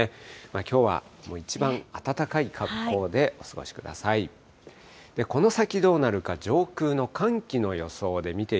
きょうは、いちばん暖かい格好でお過ごしください。